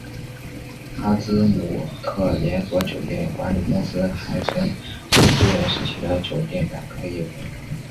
阿兹姆特连锁酒店管理公司还从事苏联时期的酒店改造业务。